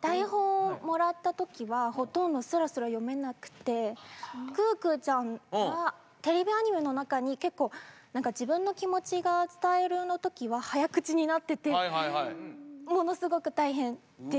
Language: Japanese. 台本をもらった時はほとんどスラスラ読めなくて可可ちゃんはテレビアニメの中に結構何か自分の気持ちが伝えるの時は早口になっててものすごく大変です。